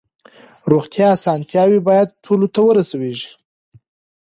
روغتیايي اسانتیاوې باید ټولو ته ورسیږي.